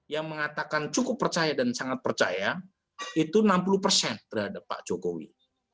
yang mengatakan cukup percaya dan sangat percaya itu enam puluh persen terhadap pak jokowi